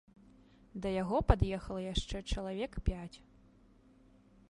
Да яго пад'ехала яшчэ чалавек пяць.